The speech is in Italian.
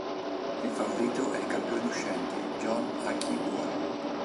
Il favorito è il campione uscente, John Akii-Bua.